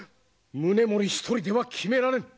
宗盛一人では決められぬ。